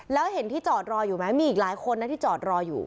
แล้วเห็นที่จอดรออยู่ไหมมีอีกหลายคนนะที่จอดรออยู่